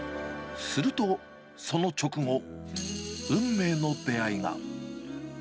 すると、その直後、運命の出会いが。